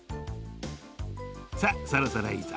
さあそろそろいいぞ。